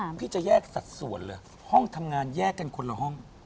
พี่จะแยกสัดส่วนเลยห้องทำงานแยกกันคนละห้อง